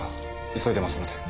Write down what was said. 急いでますので。